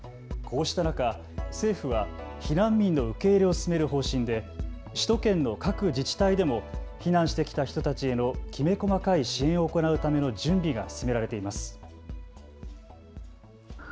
こうした中、政府は避難民の受け入れを進める方針で首都圏の各自治体でも避難してきた人たちへのきめ細かい支援を行うための準備が進められています。